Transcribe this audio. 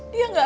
dia gak ada